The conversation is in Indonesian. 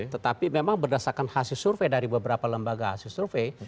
tetapi memang berdasarkan hasil survei dari beberapa lembaga hasil survei